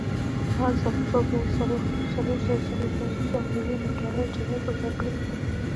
هغه د څلور سوه څلور پنځوس میلیونه ډالرو جریمې پر ورکړې محکوم شو.